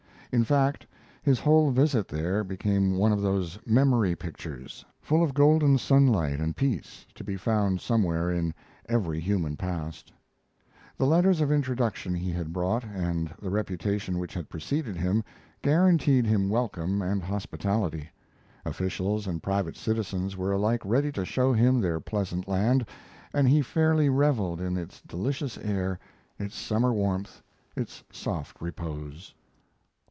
In fact, his whole visit there became one of those memory pictures, full of golden sunlight and peace, to be found somewhere in every human past. The letters of introduction he had brought, and the reputation which had preceded him, guaranteed him welcome and hospitality. Officials and private citizens were alike ready to show him their pleasant land, and he fairly reveled in its delicious air, its summer warmth, its soft repose.